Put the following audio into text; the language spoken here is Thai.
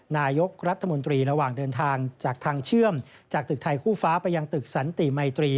นายกรัฐมนตรีระหว่างเดินทางจากทางเชื่อมจากตึกไทยคู่ฟ้าไปยังตึกสันติมัยตรี